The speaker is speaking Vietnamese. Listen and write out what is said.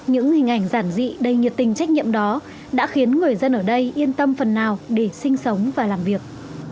những hình ảnh giản dị đầy nhiệt tình trách nhiệm đó đã khiến người dân ở đây yên tâm phần nào để sinh sống và làm việc